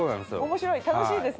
楽しいですね。